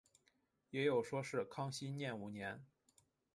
也有说是康熙廿五年。